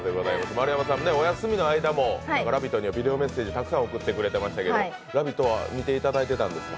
丸山さん、お休みの間にも「ラヴィット！」にはビデオメッセージたくさん送ってくれていましたけど、「ラヴィット！」は見ていただいていたんですか？